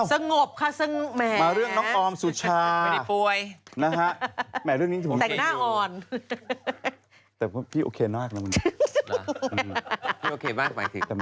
สงบค่ะแหมไปดีป่วยอเจมส์มาเรื่องน้องออมสุชา